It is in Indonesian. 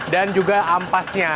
dan juga ampasnya